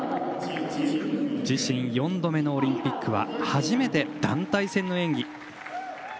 自身４度目のオリンピックは初めて団体戦の演技。